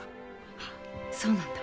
あそうなんだ。